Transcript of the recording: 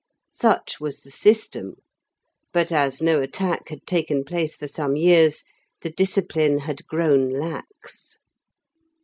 Such was the system, but as no attack had taken place for some years the discipline had grown lax.